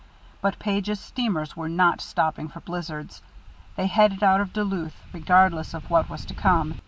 But Page's steamers were not stopping for blizzards; they headed out of Duluth regardless of what was to come.